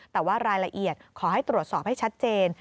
แต่ว่ารายละเอียดขอให้ตรวจสอบให้ชัดเจน